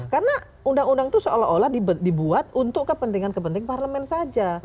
karena undang undang itu seolah olah dibuat untuk kepentingan kepenting parlemen saja